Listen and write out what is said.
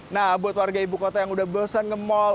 nah buat warga ibu kota yang udah bosan nge mall